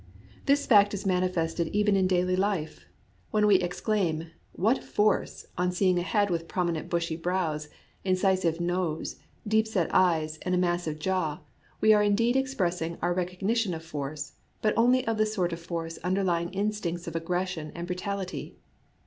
This fact is manifested even in daily life. When we exclaim, "What force !" on seeing a head with prominent bushy brows, incisive nose, deep set eyes, and a massive jaw, we are indeed expressing our recognition of force, but only of the sort of force underlying instincts of aggression and brutality.